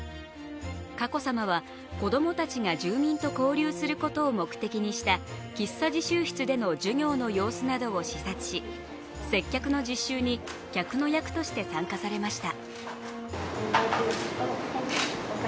佳子さまは子供たちが住民と交流することを目的にした喫茶実習室での授業の様子などを視察し接客の実習に客の役として参加されました。